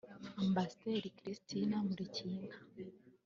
Ambasaderi Christine Nkulikiyinka